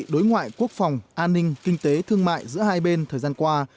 đối ngoại quốc phòng an ninh kinh tế thương mại giữa hai bên thời gian qua